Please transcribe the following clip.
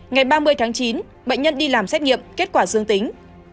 ngày ba mươi tháng chín bệnh nhân đi làm xét nghiệm kết quả dương tính